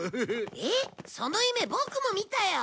えっその夢ボクも見たよ。